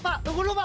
pak tunggu dulu pak